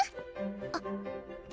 あっ。